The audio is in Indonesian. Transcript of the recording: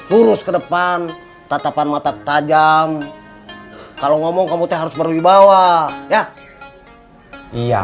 terus ke depan tatapan mata tajam kalau ngomong kamu teh harus berbibawah ya iya